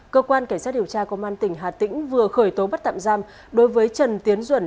cơ quan cảnh sát điều tra công an tỉnh hà tĩnh vừa khởi tố bắt tạm giam đối với trần tiến duẩn